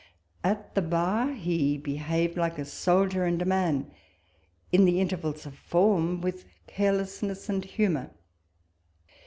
At the bar he behaved like a soldier and a man ; in the intervals of form, with carelessness and humour.